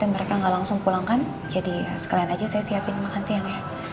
mereka nggak langsung pulangkan jadi sekalian aja saya siapin makan siang ya